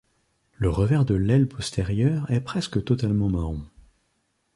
Le revers de l'aile postérieure est presque totalement marron.